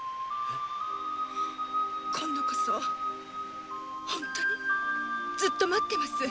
今度こそ本当にずっと待ってます。